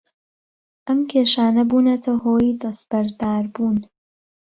ئەم کێشانە بوونەتە هۆی دەستبەرداربوون